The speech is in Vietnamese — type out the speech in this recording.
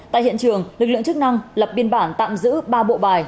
tại hiện trường lực lượng chức năng lập biên bản tạm giữ ba bộ bài